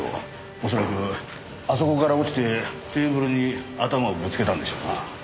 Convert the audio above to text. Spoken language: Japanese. おそらくあそこから落ちてテーブルに頭をぶつけたんでしょうな。